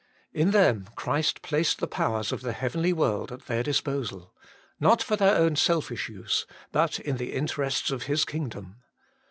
In them Christ placed the powers of the heavenly world at their disposal not for their own selfish use, but in the interests of His kingdom.